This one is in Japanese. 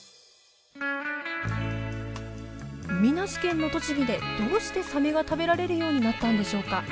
海なし県の栃木でどうしてサメが食べられるようになったんでしょうか。